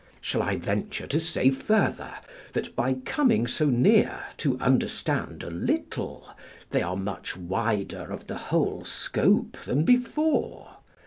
Shall I venture to say further, that by coming so near to understand a little, they are much wider of the whole scope than before.